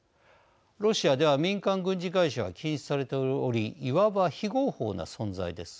ロシアでは民間軍事会社は禁止されておりいわば非合法な存在です。